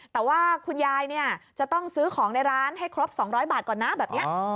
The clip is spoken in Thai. แต่ว่าคุณยายจะต้องซื้อของในร้านให้ครบ๒๐๐บาทก่อนนะแบบนี้